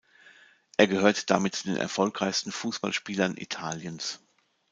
Er gehört damit zu den erfolgreichsten Fußballspielern Italiens.